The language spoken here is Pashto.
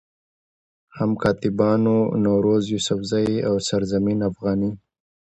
هم کاتبانو نوروز يوسفزئ، او سرزمين افغاني